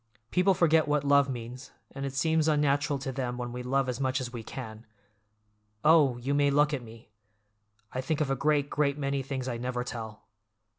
People forget what love means, and it seems unnatural to them when we love as much as we can. Oh, you may look at me! I think of a great, great many things I never tell.